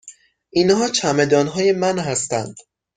اینها چمدان های من هستند.